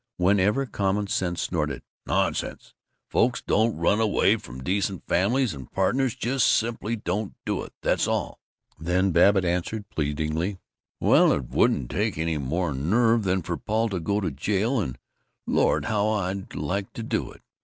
Whenever common sense snorted, "Nonsense! Folks don't run away from decent families and partners; just simply don't do it, that's all!" then Babbitt answered pleadingly, "Well, it wouldn't take any more nerve than for Paul to go to jail and Lord, how I'd like to do it!